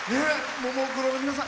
ももクロの皆さん